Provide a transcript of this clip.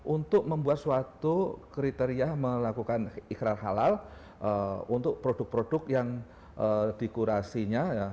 untuk membuat suatu kriteria melakukan ikrar halal untuk produk produk yang dikurasinya